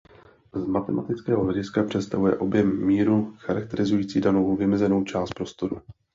Z matematického hlediska představuje objem míru charakterizující danou vymezenou část prostoru.